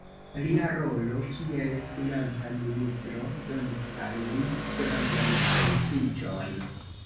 Lia rolo kiel financa ministro donis al li grandan prestiĝon.